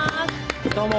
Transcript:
どうも！